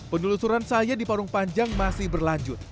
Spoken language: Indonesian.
penelusuran saya di parung panjang masih berlanjut